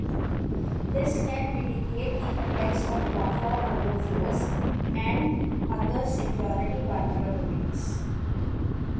This can mitigate the effects of buffer overflows and other security vulnerabilities.